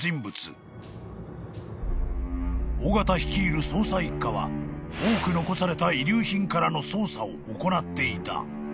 ［緒方率いる捜査一課は多く残された遺留品からの捜査を行っていた］